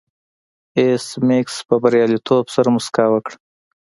ایس میکس په بریالیتوب سره موسکا وکړه